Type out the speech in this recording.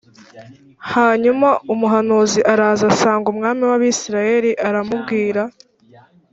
Hanyuma umuhanuzi araza asanga umwami w’Abisirayeli aramubwira